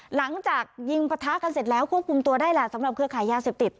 หลังจากยิงปะทะกันเสร็จแล้วควบคุมตัวได้แหละสำหรับเครือขายยาเสพติด